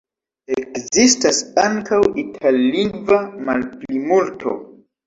Ekzistas ankaŭ itallingva malplimulto.